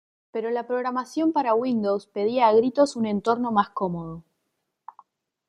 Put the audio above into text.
Pero la programación para Windows pedía a gritos un entorno más cómodo.